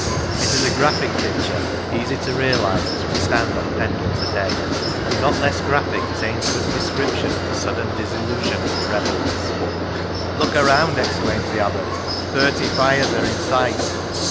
It is a graphic picture, easy to realise as we stand on Pendle to day, and not less graphic is Ainsworth's description of the sudden disillusion of the rebels :" Look around," exclaims the Abbot, " thirty fires are in sight.